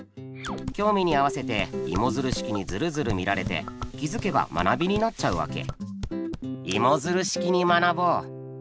興味に合わせてイモヅル式にヅルヅル見られて気づけば学びになっちゃうわけ。